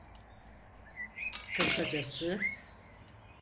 Kısacası…